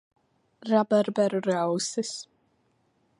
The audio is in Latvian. Rabarberu rausis.